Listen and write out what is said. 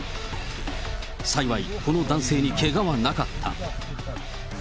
幸いこの男性にけがはなかった。